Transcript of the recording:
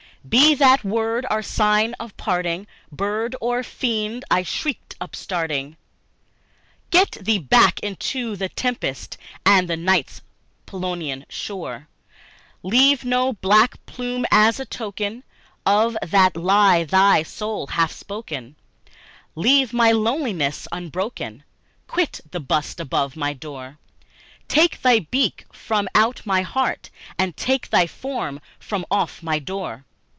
"Be that our sign of parting, bird or fiend," I shrieked, upstarting "Get thee back into the tempest and the night's Plutonian shore; Leave no black plume as a token of that lie thy soul hath spoken, Leave my loneliness unbroken quit the bust above my door, Take thy beak from out my heart and take thy form from off my door!"